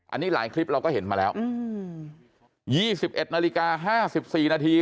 อันนี้หลายคลิปเราก็เห็นมาแล้วอืมยี่สิบเอ็ดนาฬิกาห้าสิบสี่นาที